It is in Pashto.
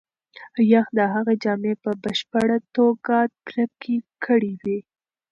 یخ د هغې جامې په بشپړه توګه کلکې کړې وې.